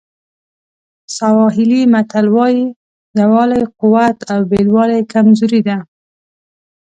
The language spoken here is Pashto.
سواهیلي متل وایي یووالی قوت او بېلوالی کمزوري ده.